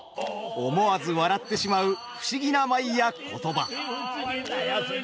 思わず笑ってしまう不思議な舞や言葉。